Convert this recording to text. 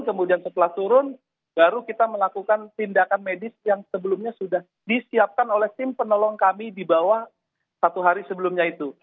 kemudian setelah turun baru kita melakukan tindakan medis yang sebelumnya sudah disiapkan oleh tim penolong kami di bawah satu hari sebelumnya itu